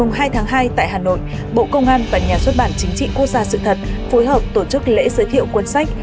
ngày hai tháng hai tại hà nội bộ công an và nhà xuất bản chính trị quốc gia sự thật phối hợp tổ chức lễ giới thiệu cuốn sách